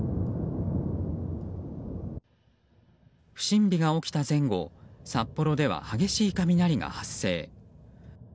不審火が起きた前後札幌では激しい雷が発生。